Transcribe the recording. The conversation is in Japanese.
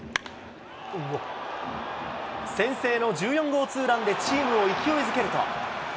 先制の１４号ツーランでチームを勢いづけると。